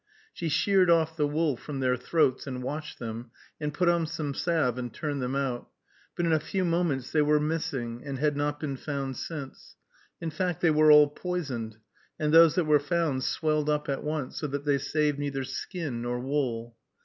She sheared off the wool from their throats, and washed them, and put on some salve, and turned them out, but in a few moments they were missing, and had not been found since. In fact, they were all poisoned, and those that were found swelled up at once, so that they saved neither skin nor wool.